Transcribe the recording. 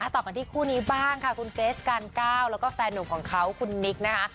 ต่อกันที่คู่นี้บ้างค่ะคุณเกสการก้าวแล้วก็แฟนหนุ่มของเขาคุณนิกนะคะ